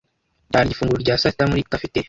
Yarya ifunguro rya saa sita muri cafeteria.